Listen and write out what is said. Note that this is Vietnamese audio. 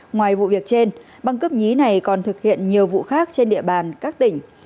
ngoài vụ việc trên băng cướp nhí này còn thực hiện nhiều vụ khác trên địa bàn các tỉnh